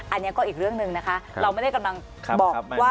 อันนี้ก็อีกเรื่องหนึ่งนะคะเราไม่ได้กำลังบอกว่า